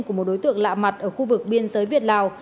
của một đối tượng lạ mặt ở khu vực biên giới việt lào